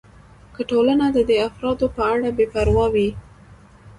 که ټولنه د دې افرادو په اړه بې پروا وي.